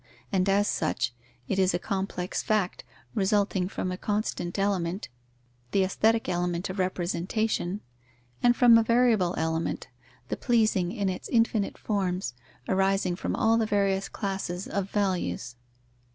And, as such, it is a complex fact, resulting from a constant element, the aesthetic element of representation, and from a variable element, the pleasing in its infinite forms, arising from all the various classes of values.